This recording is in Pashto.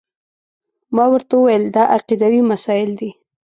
ما ورته وویل دا عقیدوي مسایل دي.